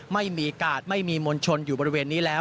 ไม่มีกาดไม่มีมวลชนอยู่บริเวณนี้แล้ว